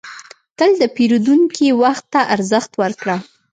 تل د پیرودونکي وخت ته ارزښت ورکړه.